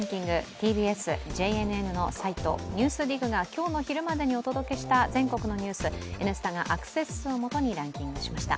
ＴＢＳ・ＪＮＮのサイト「ＮＥＷＳＤＩＧ」が今日の昼までにお届けした全国のニュースを「Ｎスタ」がアクセス数をもとにランキングしました。